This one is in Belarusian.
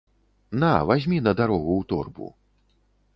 На, вазьмі на дарогу ў торбу.